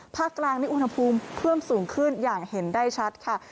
กลางในอุณหภูมิเพิ่มสูงขึ้นอย่างเห็นได้ชัดค่ะ